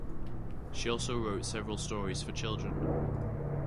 She also wrote several stories for children.